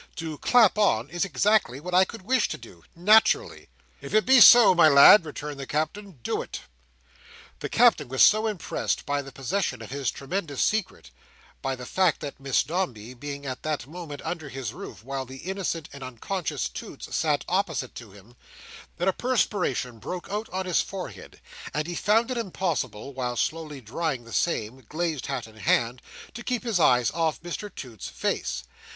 "To clap on, is exactly what I could wish to do. Naturally." "If so be, my lad," returned the Captain. "Do it!" The Captain was so impressed by the possession of his tremendous secret—by the fact of Miss Dombey being at that moment under his roof, while the innocent and unconscious Toots sat opposite to him—that a perspiration broke out on his forehead, and he found it impossible, while slowly drying the same, glazed hat in hand, to keep his eyes off Mr Toots's face.